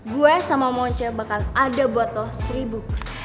gue sama monce bakal ada buat lo seribu